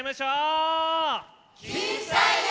「きんさいや」。